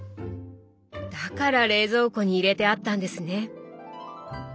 だから冷蔵庫に入れてあったんですね！